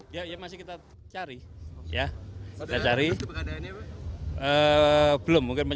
bantuan keluarga untuk mencari juga enggak pak